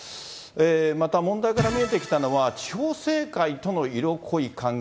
また問題から見えてきたのは、地方政界との色濃い関係。